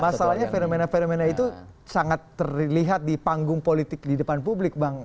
masalahnya fenomena fenomena itu sangat terlihat di panggung politik di depan publik bang